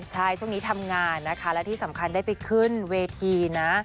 ใช่ช่วงนี้ทำงานนะคะและที่สำคัญได้ไปขึ้นเวทีนะ